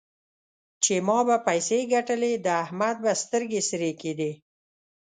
چې ما به پيسې ګټلې؛ د احمد به سترګې سرې کېدې.